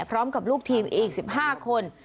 พร้อมกับลูกทีมอีก๑๕คน